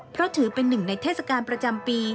เพราะถือเป็นหนึ่งในเทศกาลประจำปี